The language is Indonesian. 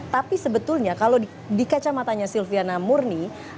tapi sebetulnya kalau di kacamatanya silviana murni